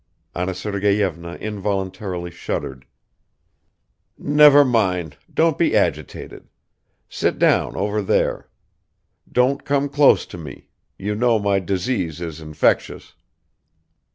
.." Anna Sergeyevna involuntarily shuddered. "Never mind, don't be agitated ... Sit down over there ... Don't come close to me; you know my disease is infectious."